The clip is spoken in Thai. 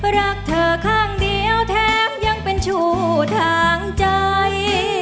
รักเธอข้างเดียวแถมยังเป็นชู่ทางใจ